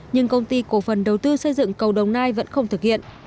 nhưng công ty cổ phần đầu tư xây dựng cầu đồng nai vẫn không thực hiện